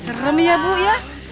serem ya bu ya